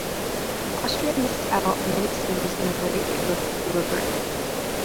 Austria missed out many sitters in a way it looked deliberate.